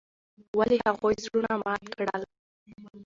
ولې هغوي زړونه مات کړل.